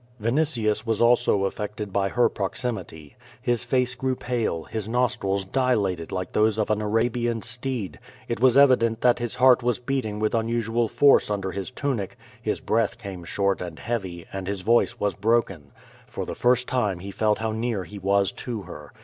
Vinitius was also affected by her proximity. His face grew pale, his nostrils dilated like those of an Arabian steed. It was evident that his heart was beating with unusual force under his tunic; his breath came short and heavy, and his voice was broken. For the first time he felt how near he was to her.